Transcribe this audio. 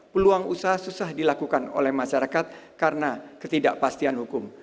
peluang usaha susah dilakukan oleh masyarakat karena ketidakpastian hukum